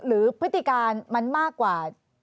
หรือพฤติกามันมากกว่า